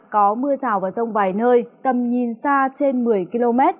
có mưa rào và rông vài nơi tầm nhìn xa trên một mươi km